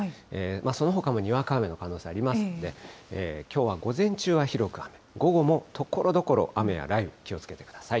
そのほかもにわか雨の可能性ありますんで、きょうは午前中は広く雨、午後もところどころ雨や雷雨に気をつけてください。